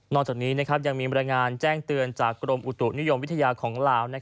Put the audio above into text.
จากนี้ยังมีบรรยายงานแจ้งเตือนจากกรมอุตุนิยมวิทยาของลาว